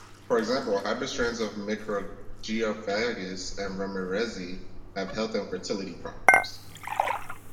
For example, hybrid strains of "Mikrogeophagus ramirezi" have health and fertility problems.